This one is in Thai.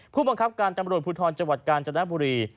ผู้บังคับการตำรวจภูทรจังหวัดกาญจนบุรี